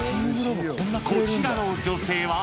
こちらの女性は。